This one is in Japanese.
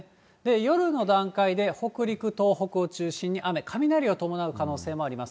夜の段階で北陸、東北を中心に雨、雷を伴う可能性もあります。